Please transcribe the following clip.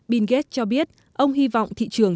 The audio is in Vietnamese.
bill gates cho biết ông hy vọng thị trường